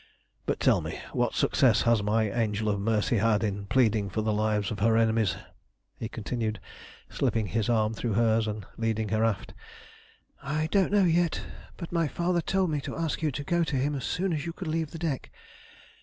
"But tell me, what success has my angel of mercy had in pleading for the lives of her enemies?" he continued, slipping his arm through hers, and leading her aft. "I don't know yet, but my father told me to ask you to go to him as soon as you could leave the deck.